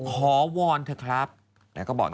ขอวอนเถอะครับ